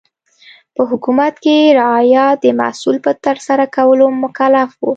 په حکومت کې رعایا د محصول په ترسره کولو مکلف و.